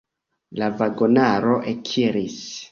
La vagonaro ekiris.